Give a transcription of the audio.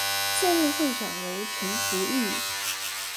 现任会长为陈福裕。